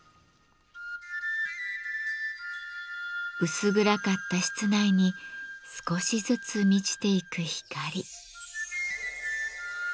薄暗かった室内に少しずつ満ちていく光。